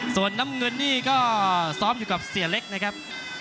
ส่วนน้ำเงินนี่ก็ซ้อมอยู่กับเสียเล็กนะครับ